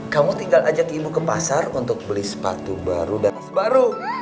kamu tinggal ajak ibu ke pasar untuk beli sepatu baru dan baru